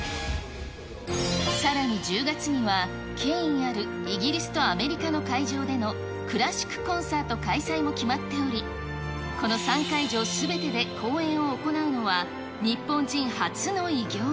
さらに１０月には、権威あるイギリスとアメリカの会場でのクラシックコンサート開催も決まっており、この３会場すべてで公演を行うのは日本人初の偉業。